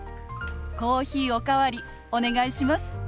コーヒーお代わりお願いします。